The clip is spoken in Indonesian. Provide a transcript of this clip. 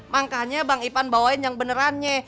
makanya bang ipan bawain yang benerannya